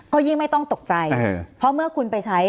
ก็ยิ่งไม่ต้องตกใจเพราะเมื่อคุณไปใช้